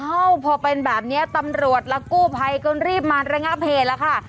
เอ้าพอเป็นแบบนี้ตำรวจและกู้ภัยก็รีบมาระงับเหตุแล้วค่ะ